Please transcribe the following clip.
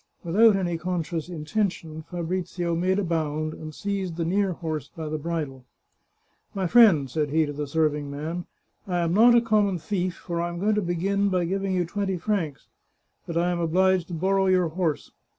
Without any conscious intention, Fa brizio made a bound, and seized the near horse by the bridle. " My friend," said he to the serving man, " I am not a common thief, for I am going to begin by giving you twenty francs ; but I am obliged to borrow your horse.